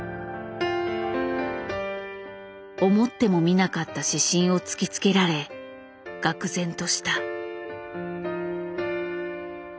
思ってもみなかった指針を突きつけられ愕然とした。